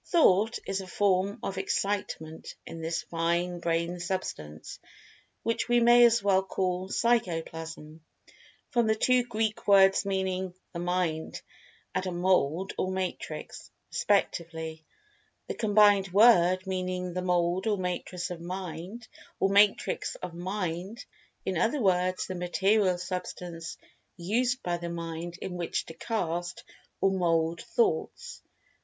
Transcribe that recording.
Thought is a form of "Excitement" in this fine brain substance, which we may as well call Psycho plasm, from the two Greek words meaning "the mind," and "a mold, or matrix," respectively—the combined word meaning the "mould or matrix of Mind," in other words the material Substance used by the Mind in which to "cast" or "mold" Thoughts.